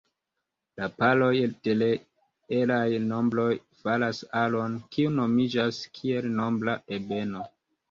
La paroj de reelaj nombroj faras aron, kiu nomiĝas kiel nombra ebeno.